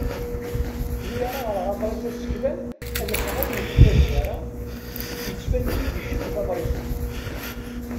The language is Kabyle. Mi ara ɣreɣ aḍris aseklan ad afeɣ awennet di tazwara yettvan-iyi-d icemmet aḍris-nni.